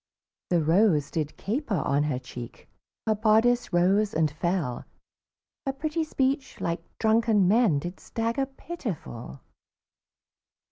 The rose did caper on her cheek, Her bodice rose and fell, Her pretty speech, like drunken men, Did stagger pitiful.